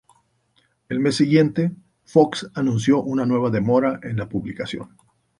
El mes siguiente, Fox anunció una nueva demora en la publicación.